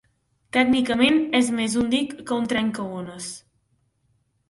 Tècnicament, és més un dic que un trencaones.